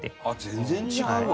全然違うわ！